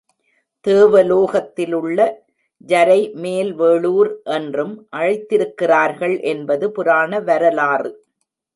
தேவலோகத்திலுள்ள ஜரை மேல்வேளூர் என்றும் அழைத்திருக்கிறார்கள் என்பது புராண வரலாறு.